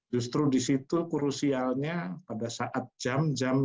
justru di situ krusialnya pada saat jam jam